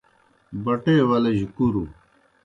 بٹے ولِجیْ کُروْ